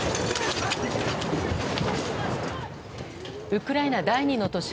ウクライナ第２の都市